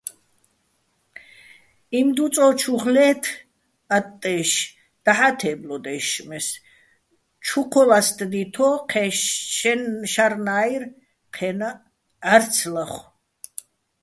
იმდუწო́ჩოხ ლე́თ-ე ა́ტტაჲში̆ დაჰ̦ა́ თე́ბლოდო̆ ე́შშმეს, ჩუ ქოლასტდითო̆, ჴეჼ შარნაჲნო̆ ჴენაჸ ჺა́რცო̆ ლახო̆.